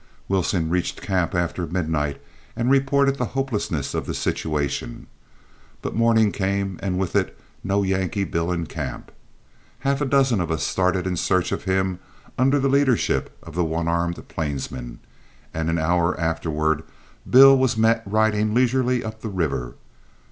Wilson reached camp after midnight and reported the hopelessness of the situation; but morning came, and with it no Yankee Bill in camp. Half a dozen of us started in search of him, under the leadership of the one armed plainsman, and an hour afterward Bill was met riding leisurely up the river.